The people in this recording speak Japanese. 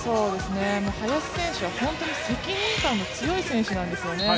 林選手は本当に責任感の強い選手なんですよね。